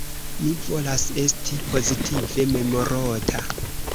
Mi volas esti pozitive memorota!